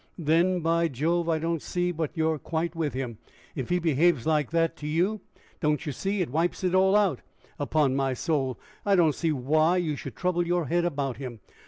"Then, by Jove! I don't see but you're quits with him. If he behaves like that to you, don't you see, it wipes it all out? Upon my soul! I don't see why you should trouble your head about him.